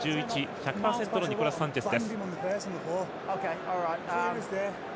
１００％のニコラス・サンチェス。